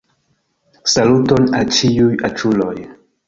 Saluton al ĉiuj aĉuloj